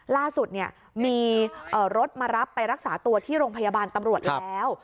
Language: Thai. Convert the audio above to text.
ล่าสุดมีรถมารับไปรักษาตัวที่โรงพยาบาลตำรวจแล้ว